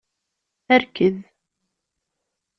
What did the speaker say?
Rked.